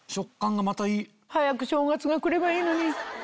早く正月が来ればいいのに。